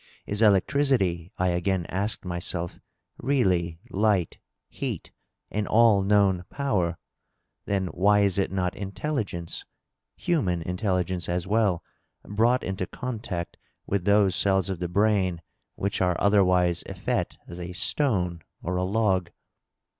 Is electricity, I again asked myself, really light, heat and all known power? Then why is it not in telligence — ^human intelligence as well — brought into contact with those cells of the brain which are otherwise effete as a stone or a log?